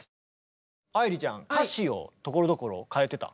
愛理ちゃん歌詞をところどころ変えてた？